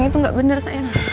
sayang itu gak bener sayang